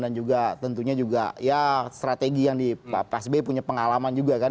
dan juga tentunya juga ya strategi yang di pak sby punya pengalaman juga kan